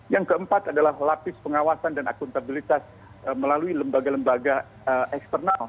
yang keempat adalah lapis pengawasan dan akuntabilitas melalui lembaga lembaga eksternal